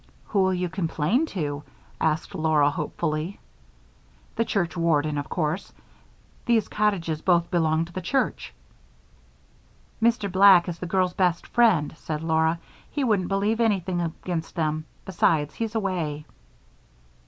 "Who'll you complain to?" asked Laura, hopefully. "The church warden, of course. These cottages both belong to the church." "Mr. Black is the girls' best friend," said Laura. "He wouldn't believe anything against them besides, he's away."